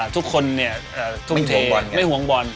ทุกคนไม่ห่วงบอล